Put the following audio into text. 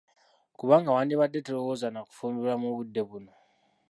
Kubanga wandibadde tolowooza nakufumbirwa mu budde buno.